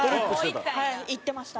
はい行ってました。